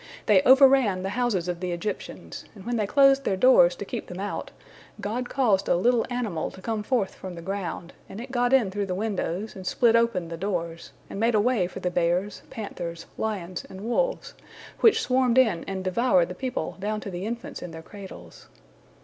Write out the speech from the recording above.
They overran the houses of the Egyptians, and when they closed their doors to keep them out, God caused a little animal to come forth from the ground, and it got in through the windows, and split open the doors, and made a way for the bears, panthers, lions, and wolves, which swarmed in and devoured the people down to the infants in their cradles.